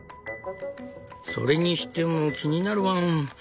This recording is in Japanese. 「それにしても気になるワン。